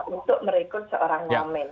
untuk merekrut seorang wahmen